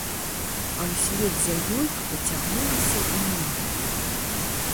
А ўслед за ёй пацягнуліся і мы.